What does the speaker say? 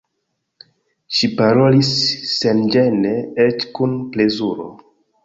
Ŝi parolis senĝene, eĉ kun plezuro.